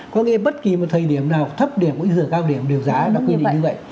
có nghĩa bất kỳ một thời điểm nào thấp điểm cũng giữa cao điểm đều giá nó quy định như vậy